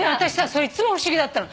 それいっつも不思議だったの。